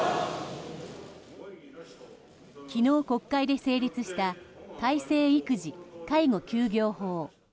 昨日、国会で成立した改正育児・介護休業法。